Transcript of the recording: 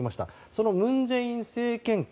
その文在寅政権下